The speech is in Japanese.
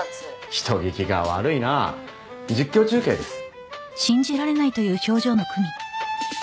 人聞きが悪いな実況中継です